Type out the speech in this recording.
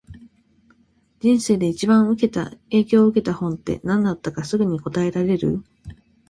人生で一番影響を受けた本って、何だったかすぐに答えられる？